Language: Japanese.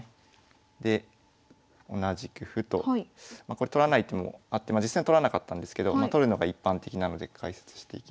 これ取らないともう実際取らなかったんですけど取るのが一般的なので解説していきます。